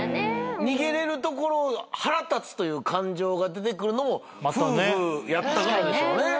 逃げられるところを腹立つという感情が出てくるのも夫婦やったからでしょうね。